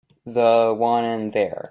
The one in there.